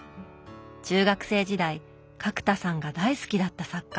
中学生時代角田さんが大好きだった作家。